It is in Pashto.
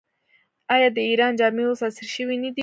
آیا د ایران جامې اوس عصري شوې نه دي؟